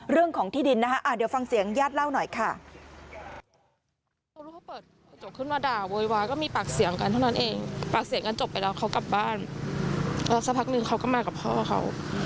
เดี๋ยวฟังเสียงยาดเล่าหน่อยค่ะ